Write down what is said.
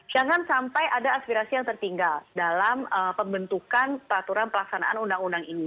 jangan sampai ada aspirasi yang tertinggal dalam pembentukan peraturan pelaksanaan undang undang ini